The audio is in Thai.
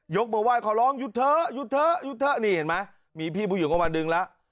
มือไห้ขอร้องหยุดเถอะหยุดเถอะหยุดเถอะนี่เห็นไหมมีพี่ผู้หญิงก็มาดึงแล้ว